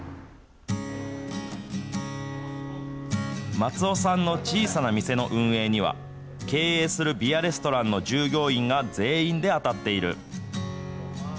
松尾さんの小さな店の運営には、経営するビアレストランの従業員が全員で当たっている。